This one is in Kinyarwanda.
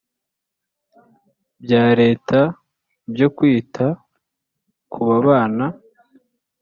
Bya leta byo kwita ku babana